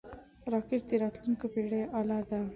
راکټ د راتلونکو پېړیو اله ده